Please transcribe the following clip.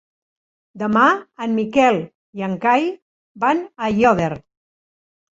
Demà en Miquel i en Cai van a Aiòder.